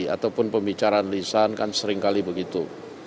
ataupun pembicaraan lisan kan seringkali begitu